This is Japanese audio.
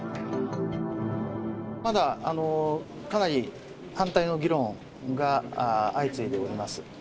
まだかなり反対の議論が相次いでおります。